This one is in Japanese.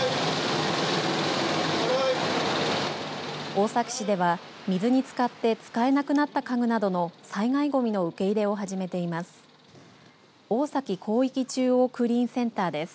大崎市では水につかって使えなくなった家具などの災害ごみの受け入れを始めています。